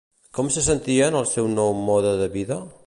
Com se sentia en el seu nou mode de vida?